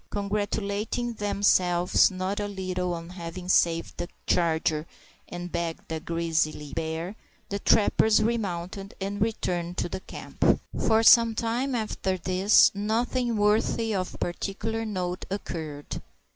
Congratulating themselves not a little on having saved the charger and bagged a grizzly bear, the trappers remounted, and returned to the camp. For some time after this nothing worthy of particular note occurred.